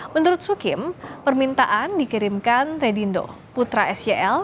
menurut sukim permintaan dikirimkan redindo putra sel